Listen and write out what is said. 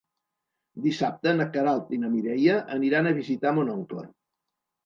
Dissabte na Queralt i na Mireia aniran a visitar mon oncle.